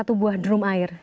satu buah drum air